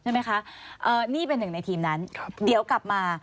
ใช่ไหมคะนี่เป็นหนึ่งในทีมนั้นเดี๋ยวกลับมา